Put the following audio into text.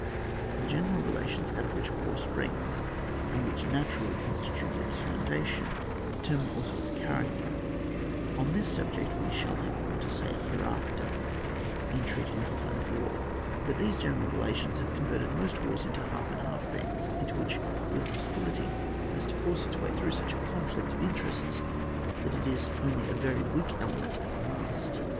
The general relations out of which a war springs, and which naturally con stitute its fbundation, determine fldso its character ; on this subject we shall have more to say hereafter, in treating of the plan of a war. But these general re lations have converted most wars into half and half things, into which real hostility has to force its way through such a conflict of interests, that it is only a very weak element at the last.